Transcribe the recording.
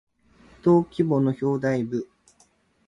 登記簿の表題部